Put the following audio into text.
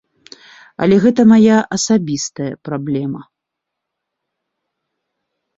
Але гэта мая асабістая праблема.